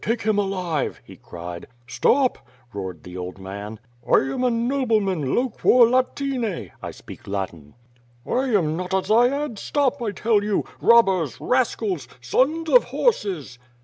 Take him alive!" he cried. "Stop!" roared the old man, "1 am a nobleman, bquor Inline! (I speak Latin.) I am not a dziad; stop, I tell you! Robbers! Rascals! Sons of horses!"